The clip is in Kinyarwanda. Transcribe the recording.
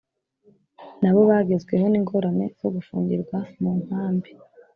na bo bagezweho n’ingorane zo gufungirwa mu nkambi